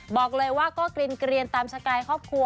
บอกเลยว่าก็กลิ่นเกลียนตามสกายครอบครัว